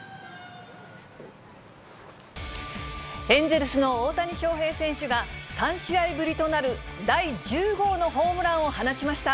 エンゼルスの大谷翔平選手が３試合ぶりとなる第１０号のホームランを放ちました。